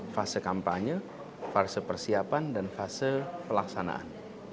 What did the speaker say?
fase kampanye fase persiapan dan fase pelaksanaan